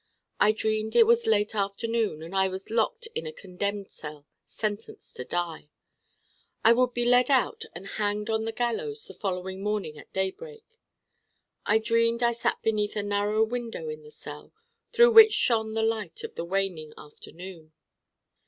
I dreamed it was late afternoon and I was locked in a condemned cell, sentenced to die. I would be led out and hanged on a gallows the following morning at day break. I dreamed I sat beneath a narrow window in the cell through which shone the light of the waning afternoon.